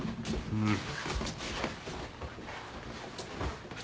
うん。